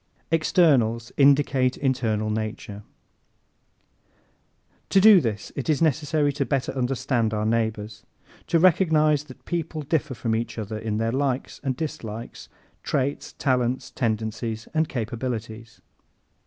Externals Indicate Internal Nature ¶ To do this it is necessary to better understand our neighbors to recognize that people differ from each other in their likes and dislikes, traits, talents, tendencies and capabilities.